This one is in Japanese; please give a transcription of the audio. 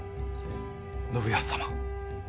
信康様。